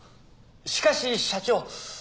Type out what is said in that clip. しかし社長。